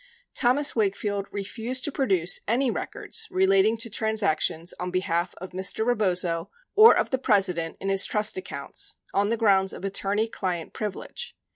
73 Thomas Wakefield refused to pro duce any records relating to transactions on behalf of Mr. Rebozo or of the President in his trust accounts on the grounds of attorney client privilege.